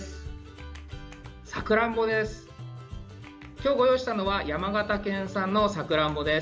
今日ご用意したのは山形県産のさくらんぼです。